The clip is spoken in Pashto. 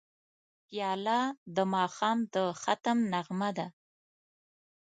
پیاله د ماښام د ختم نغمه ده.